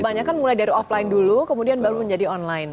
kebanyakan mulai dari offline dulu kemudian baru menjadi online